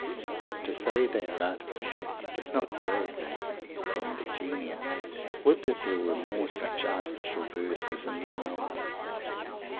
But to say they are artificial does not derogate from their genius. Would that there were more such "artificial" verses in the world!